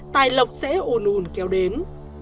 tài lộc sẽ ồn ồn kéo đến